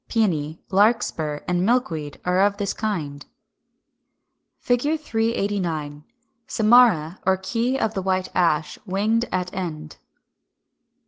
392), Pæony, Larkspur, and Milkweed are of this kind. [Illustration: Fig. 389. Samara or key of the White Ash, winged at end.